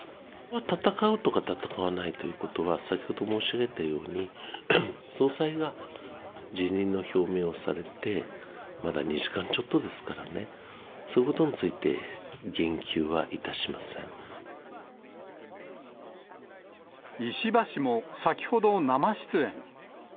戦うとか戦わないということは、先ほど申し上げたように、総裁が辞任の表明されて、まだ２時間ちょっとですからね、そのこ石破氏も、先ほど生出演。